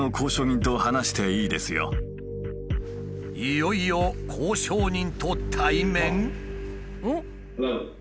いよいよ交渉人と対面？